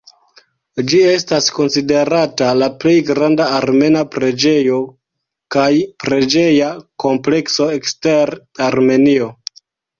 Ĝi estas konsiderata la plej granda armena preĝejo kaj preĝeja komplekso ekster Armenio.